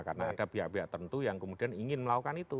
karena ada biak biak tentu yang kemudian ingin melakukan itu